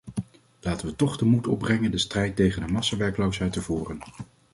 Laten we toch de moed opbrengen de strijd tegen de massawerkloosheid te voeren.